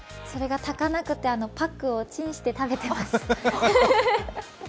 それが炊かなくて、パックをチンして食べてます。